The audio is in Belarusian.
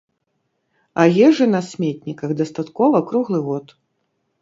А ежы на сметніках дастаткова круглы год.